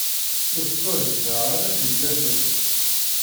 Ur tettwazdeɣ ara tegzirt-nni.